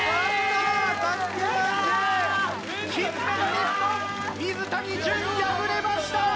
金メダリスト水谷隼敗れました！